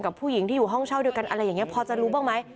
ผู้หญิงที่อยู่ห้องเช่าด้วยกันอะไรอย่างนี้พอจะรู้บ้างไหม